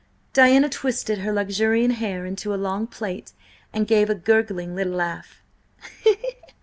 Diana twisted her luxuriant hair into a long plait, and gave a gurgling little laugh.